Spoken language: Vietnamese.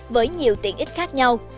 với nhiều tiện ích khác nhau